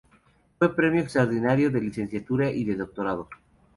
Fue Premio Extraordinario de licenciatura y de doctorado.